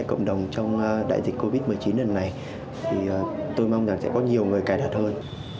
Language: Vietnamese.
bảo vệ cộng đồng trong đại dịch covid một mươi chín này thì tôi mong rằng sẽ có nhiều người cài đặt hơn